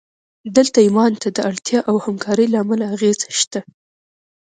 دلته ایمان ته د اړتیا او همکارۍ له امله اغېز شته